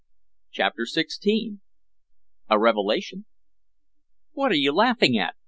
CHAPTER XVI A REVELATION "What are you laughing at?"